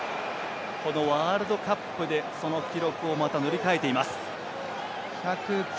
このワールドカップでその記録を塗り替えています。